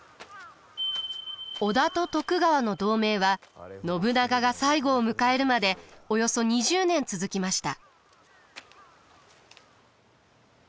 織田と徳川の同盟は信長が最期を迎えるまでおよそ２０年続きました。